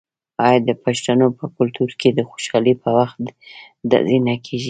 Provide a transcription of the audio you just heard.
آیا د پښتنو په کلتور کې د خوشحالۍ په وخت ډزې نه کیږي؟